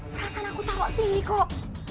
perasaan aku taruh sini kok